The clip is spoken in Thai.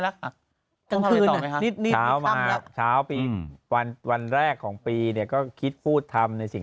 นะครับช้ามั้ยช้าปีวันแรกของปีเนี่ยก็ครีสฟูตรทำในสิ่ง